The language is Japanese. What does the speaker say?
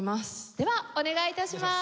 ではお願い致します。